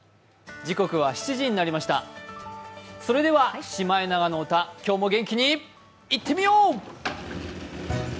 それでは「シマエナガの歌」今日も元気にいってみよう。